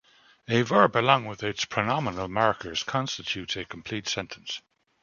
A verb along with its pronominal markers constitutes a complete sentence.